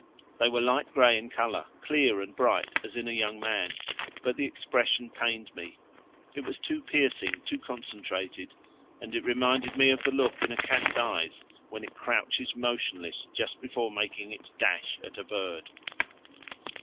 They were light grey in colour, clear and bright as in a young man, but the expression pained me; it was too piercing, too concentrated, and it reminded me of the look in a cat's eyes when it crouches motionless just before making its dash at a bird.